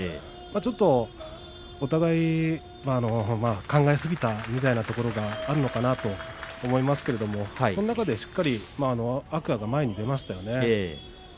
ちょっとお互いに考えすぎたみたいなところがあるのかなと思いますけれどその中でしっかりと天空海が前に出ましたね。